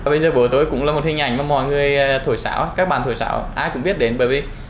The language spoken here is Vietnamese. bây giờ bố tôi cũng là một hình ảnh mà mọi người thổi xáo các bạn thổi sáo ai cũng biết đến bởi vì